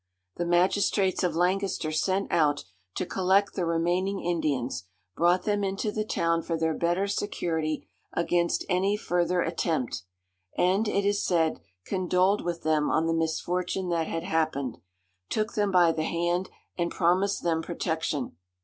The magistrates of Lancaster sent out to collect the remaining Indians, brought them into the town for their better security against any further attempt, and, it is said, condoled with them on the misfortune that had happened, took them by the hand, and promised them protection.